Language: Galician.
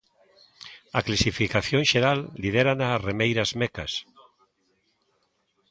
A clasificación xeral lidérana as remeiras mecas.